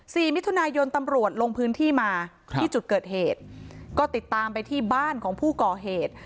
สี่มิถุนายนตำรวจลงพื้นที่มาครับที่จุดเกิดเหตุก็ติดตามไปที่บ้านของผู้ก่อเหตุ